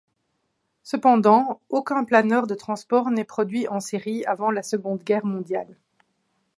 Cependant, aucun planeur de transport n'est produit en série avant la Seconde Guerre mondiale.